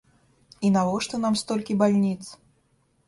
І навошта нам столькі бальніц?